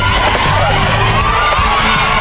ภายในเวลา๓นาที